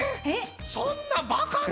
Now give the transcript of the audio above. そんなバカな。